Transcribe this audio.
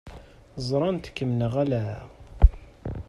Ẓṛant-kem neɣ ala?